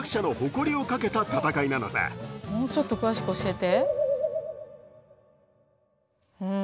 もうちょっと詳しく教えて。